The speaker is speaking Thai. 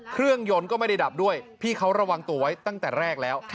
เครื่องยนต์ก็ไม่ได้ดับด้วยพี่เขาระวังตัวไว้ตั้งแต่แรกแล้ว